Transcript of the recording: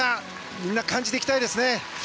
みんな感じていきたいですね。